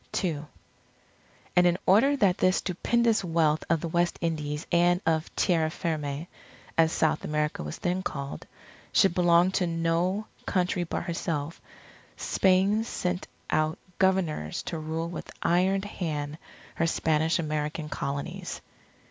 II And in order that this stupendous wealth of the West Indies and of Tierra Firme, as South America was then called, should belong to no country but herself, Spain sent out Governors to rule with iron hand her Spanish American Colonies.